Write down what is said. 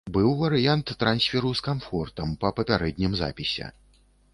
Быў варыянт трансферу з камфортам, па папярэднім запісе.